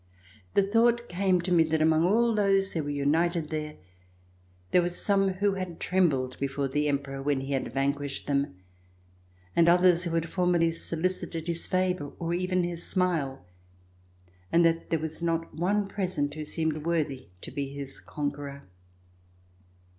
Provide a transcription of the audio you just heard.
The thought came to me that among all those who were united there, there were some who had trembled before the Emperor when he had vanquished them, and others who had formerly solicited his favor or even his smile, and that there was not one present who seemed worthy to be his conqueror.